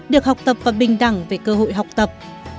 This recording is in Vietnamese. được học tập và bình đẳng về cơ hội học tập